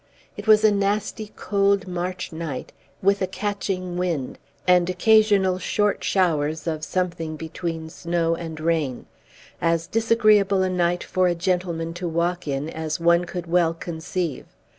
It was a nasty cold March night, with a catching wind, and occasional short showers of something between snow and rain, as disagreeable a night for a gentleman to walk in as one could well conceive.